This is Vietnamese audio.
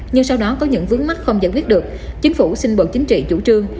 nhưng sau đó có những vướng mắt không giải quyết được chính phủ xin bộ chính trị chủ trương